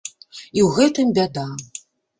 І ў гэтым бяда!